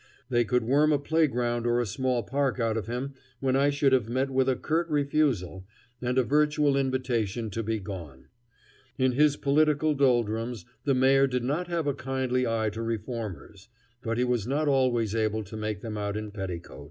They could worm a playground or a small park out of him when I should have met with a curt refusal and a virtual invitation to be gone. In his political doldrums the Mayor did not have a kindly eye to reformers; but he was not always able to make them out in petticoats.